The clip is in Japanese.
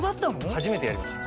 初めてやりました」